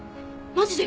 マジで！？